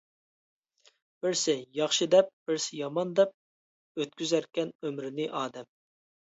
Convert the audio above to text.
بىرسى «ياخشى» دەپ، بىرسى «يامان» دەپ، ئۆتكۈزەركەن ئۆمرىنى ئادەم.